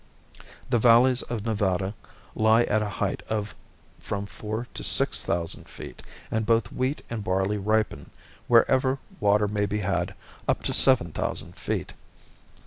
The valleys of Nevada lie at a height of from four to six thousand feet, and both wheat and barley ripen, wherever water may be had, up to seven thousand feet.